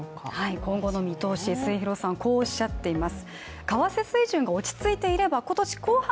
今後の見通し、末廣さん、こうおっしゃっています。